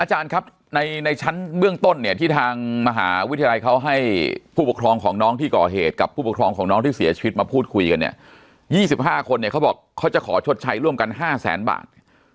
อาจารย์ครับในชั้นเบื้องต้นเนี่ยที่ทางมหาวิทยาลัยเขาให้ผู้ปกครองของน้องที่ก่อเหตุกับผู้ปกครองของน้องที่เสียชีวิตมาพูดคุยกันเนี่ย๒๕คนเนี่ยเขาบอกเขาจะขอชดใช้ร่วมกัน๕แสนบาท